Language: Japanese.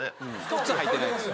靴履いてないですよね。